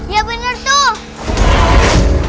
ya bener tuh